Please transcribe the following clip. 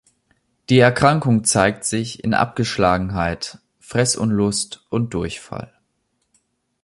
Die Erkrankung zeigt sich in Abgeschlagenheit, Fressunlust und Durchfall.